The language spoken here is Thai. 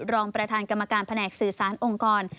รองประธานกรรมการแผนกสื่อสารองค์กร